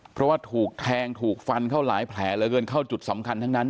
เพราะว่าถูกแทงถูกฟันเข้าหลายแผลเหลือเกินเข้าจุดสำคัญทั้งนั้น